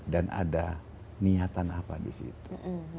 dan ada niatan apa di situ